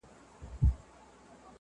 څومره ښکلې دي کږه توره مشوکه!.